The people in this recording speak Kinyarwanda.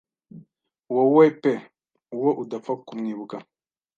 Wowe pe uwo udapfa ku mwibuka